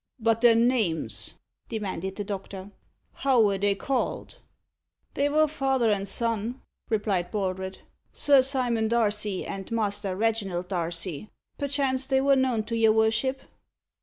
"But their names?" demanded the doctor. "How were they called?" "They were father and son," replied Baldred "Sir Simon Darcy and Master Reginald Darcy. Perchance they were known to your worship?"